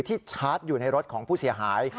ชาร์จอยู่ในรถของผู้เสียหาย